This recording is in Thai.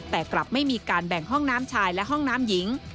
แต่กลับไม่มีการแบ่งห้องน้ำชายและห้องน้ำหญิง